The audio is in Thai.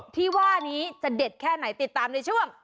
ที่ว่านี้จะเด็ดแค่ไหนติดตามในช่วง